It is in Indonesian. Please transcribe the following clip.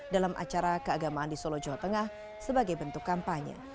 dalam acara keagamaan di solo jawa tengah sebagai bentuk kampanye